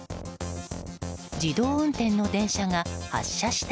自動運転の電車が発車した